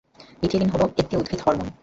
Ethylene হল একটি উদ্ভিদ হরমোন।